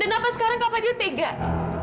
dan apa sekarang kak fadil tidak butuh kak fadil